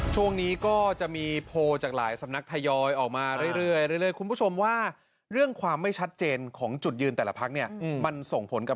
ช่วงนี้ก็จะมีโพลจากหลายสำนักทยอยออกมาเรื่อยคุณผู้ชมว่าเรื่องความไม่ชัดเจนของจุดยืนแต่ละพักเนี่ยมันส่งผลกับ